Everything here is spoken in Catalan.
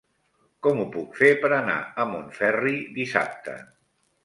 Com ho puc fer per anar a Montferri dissabte?